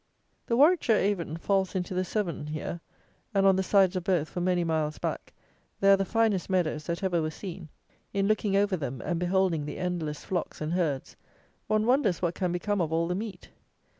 The Warwickshire Avon falls into the Severn here, and on the sides of both, for many miles back, there are the finest meadows that ever were seen. In looking over them, and beholding the endless flocks and herds, one wonders what can become of all the meat!